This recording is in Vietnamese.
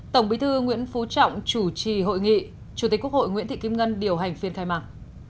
tổng bí thư nguyễn phú trọng chủ trì hội nghị chủ tịch quốc hội nguyễn thị kim ngân điều hành phiên khai mạc